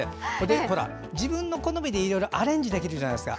ほら、自分の好みでいろいろアレンジできるじゃないですか。